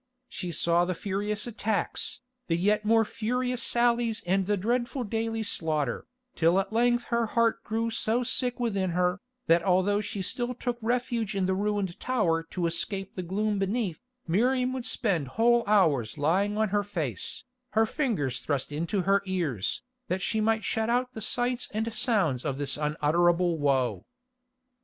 She saw the furious attacks, the yet more furious sallies and the dreadful daily slaughter, till at length her heart grew so sick within her, that although she still took refuge in the ruined tower to escape the gloom beneath, Miriam would spend whole hours lying on her face, her fingers thrust into her ears, that she might shut out the sights and sounds of this unutterable woe.